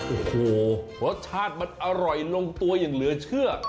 โอ้โหรสชาติมันอร่อยลงตัวอย่างเหลือเชื่อ